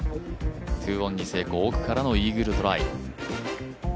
２オンに成功奥からのイーグルトライ。